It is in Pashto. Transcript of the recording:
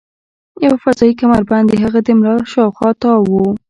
یو فضايي کمربند د هغه د ملا شاوخوا تاو و